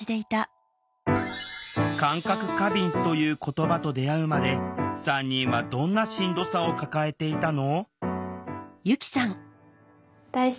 「感覚過敏」という言葉と出会うまで３人はどんなしんどさを抱えていたの？